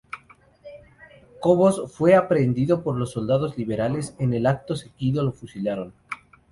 Cobos fue aprehendido por los soldados liberales en el que acto seguido lo fusilaron.